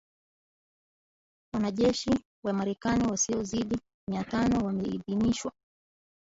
Wanajeshi wa Marekani wasiozidi mia tano wameidhinishwa